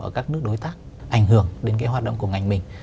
ở các nước đối tác ảnh hưởng đến cái hoạt động của ngành mình